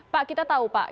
pak kita tahu pak